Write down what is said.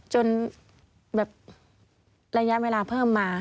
จนแบบระยะเวลาเพิ่มมา